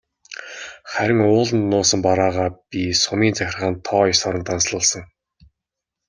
Харин ууланд нуусан бараагаа би сумын захиргаанд тоо ёсоор нь данслуулсан.